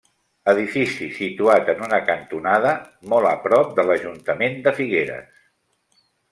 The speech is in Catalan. Edifici situat en una cantonada, molt a prop de l'Ajuntament de Figueres.